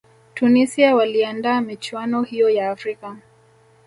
tunisia waliandaa michuano hiyo ya afrika